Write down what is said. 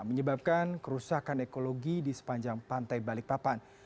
menyebabkan kerusakan ekologi di sepanjang pantai balikpapan